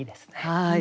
はい。